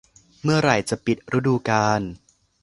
เมื่อไหร่จะปิดฤดูกาล